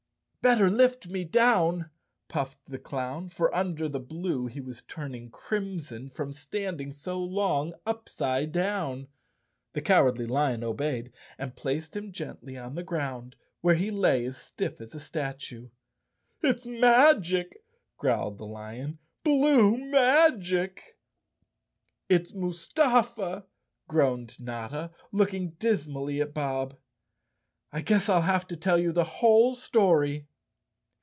"Bet¬ ter lift me down," puffed the clown, for under the blue he was turning crimson from standing so long upside down. The Cowardly Lion obeyed, and placed him gently on the ground, where he lay as stiff as a statue. 183 The Cowardly Lion of Oz "It's magic!" growled the lion. "Blue magic!" "It's Mustafa!" groaned Notta, looking dismally at Bob. "I guess I'll have to tell you the whole story."